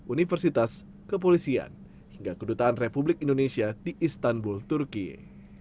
universitas kepolisian hingga kedutaan republik indonesia di istanbul turkiye